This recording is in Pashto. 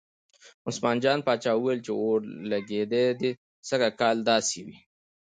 عثمان جان پاچا ویل چې اورلګید دې سږ کال داسې وي.